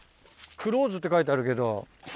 クローズって書いてあるけど。